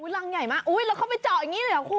แล้วเขาไปเจาะอย่างนี้หรือครับคุณ